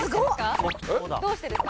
どうしてですか？